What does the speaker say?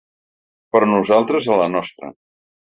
Però nosaltres a la nostra.